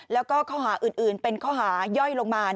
แล้วก็ข้อหาอื่นเป็นข้อหาย่อยลงมา